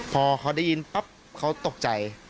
พอเขาได้ยินปั๊บเขาตกใจ